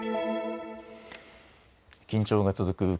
緊張が続く